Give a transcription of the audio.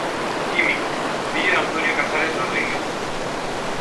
Químico, fillo de Antonio Casares Rodríguez.